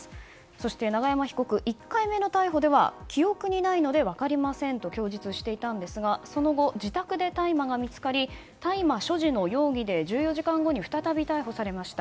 そして、永山被告１回目の逮捕では記憶にないので分かりませんと供述していたんですがその後、自宅で大麻が見つかり大麻所持の容疑で１４時間後に再び逮捕されました。